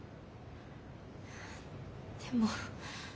でも。